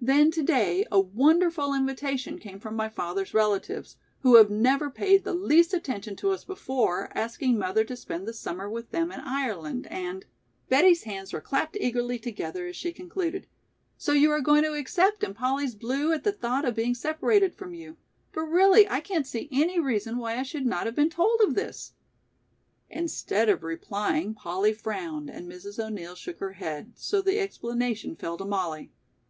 Then to day a wonderful invitation came from my father's relatives, who have never paid the least attention to us before, asking mother to spend the summer with them in Ireland, and " Betty's hands were clapped eagerly together as she concluded, "So you are going to accept and Polly's blue at the thought of being separated from you, but really I can't see any reason why I should not have been told of this." Instead of replying, Polly frowned and Mrs. O'Neill shook her head, so the explanation fell to Mollie.